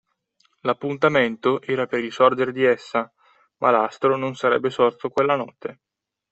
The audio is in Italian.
L’appuntamento era per il sorgere di essa, ma l’astro non sarebbe sorto quella notte